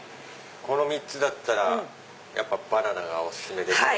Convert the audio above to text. この３つだったらやっぱバナナがお薦めですか？